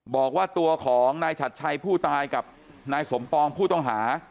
บอกว่าตัวของนายฉัดชัยผู้ตายกับนายสมปองผู้ต้องหา